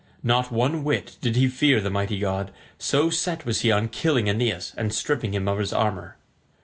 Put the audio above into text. Not one whit did he fear the mighty god, so set was he on killing Aeneas and stripping him of his armour.